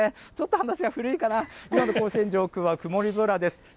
ちょっと話が古いかな、今の甲子園上空は曇り空です。